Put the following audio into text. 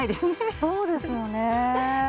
そうですよねえ。